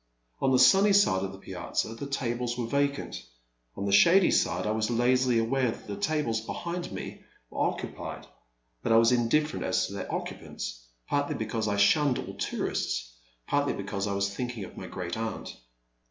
On the sunny side of the piazza the tables were vacant ; on the shady side, I was lazily aware that the tables behind me were occu pied, but I was indifierent as to their occupants, partly because I shunned all tourists, partly be cause I was thinking of my great aunt.